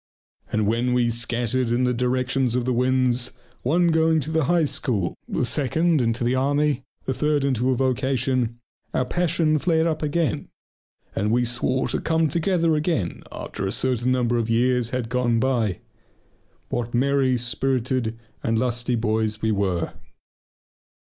And when we scattered in the directions of the winds, one going to the High School, the second into the army, the third into a vocation, our passion flared up again, and we swore to come together again after a certain number of years had gone by. What merry, spirited, and lusty boys we were!...